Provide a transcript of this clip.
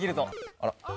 あら。